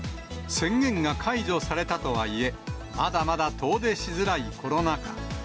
宣言が解除されたとはいえ、まだまだ遠出しづらいコロナ禍。